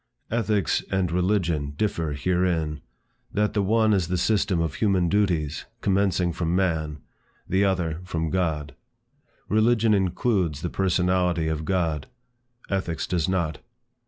Ethics and religion differ herein; that the one is the system of human duties commencing from man; the other, from God. Religion includes the personality of God; Ethics does not.